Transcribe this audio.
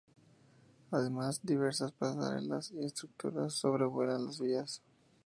Además, diversas pasarelas y estructuras sobrevuelan las vías.